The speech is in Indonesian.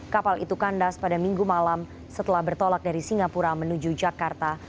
kapal itu kandas pada minggu malam setelah bertolak dari singapura menuju jakarta